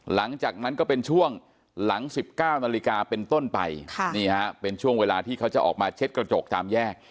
หลังจากนั้นก็เป็นช่วงหลัง๑๙นาฬิกาเป็นต้นไปนี่ฮะเป็นช่วงเวลาที่เขาจะออกมาเช็ดกระจกตามแยก